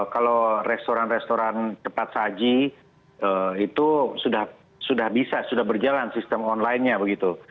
kalau restoran restoran cepat saji itu sudah bisa sudah berjalan sistem online nya begitu